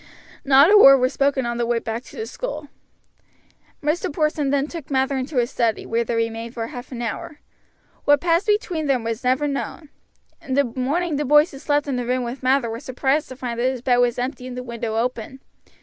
Not a word was spoken on the way back to the school. Mr. Porson then took Mather into his study, where they remained for half an hour. What passed between them was never known. In the morning the boys who slept in the room with Mather were surprised to find that his bed was empty and the window open.